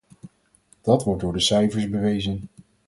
Dat wordt door de cijfers bewezen.